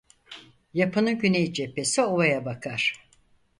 Yapının güney cephesi ovaya bakar.